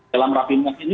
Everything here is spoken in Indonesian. dalam rapi mas ini